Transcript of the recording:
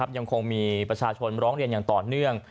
ยังคงมีประชาชนร้องเรียนอย่างต่อเนื่อง